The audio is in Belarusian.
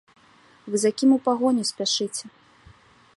Вы за кім у пагоню спяшыце?